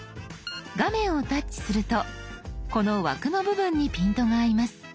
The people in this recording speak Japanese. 画面をタッチするとこの枠の部分にピントが合います。